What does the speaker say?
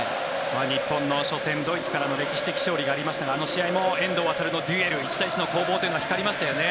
日本の初戦、ドイツからの歴史的な勝利がありましたがあの試合も遠藤航のデュエル１対１の攻防というのが光りましたよね。